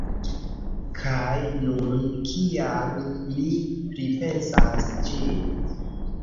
Kaj nun, kiam mi pripensas ĝin.